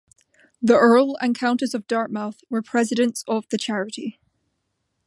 The Earl and Countess of Dartmouth were Presidents of the charity.